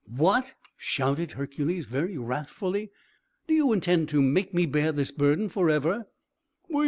"What!" shouted Hercules, very wrathfully, "do you intend to make me bear this burden forever?"